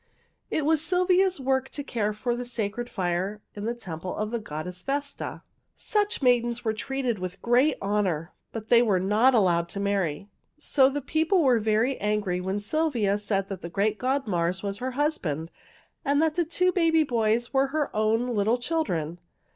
"It was Sylvia's work to care for the sacred fire in the temple of the goddess Vesta. Such maidens were treated with great honor, but they were not allowed to marry. So the people were very angry when Sylvia said the great god Mars was her husband and the two baby boys were her own little children.